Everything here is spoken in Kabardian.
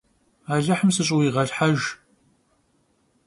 Alıhım sış'ıuiğelhhejj!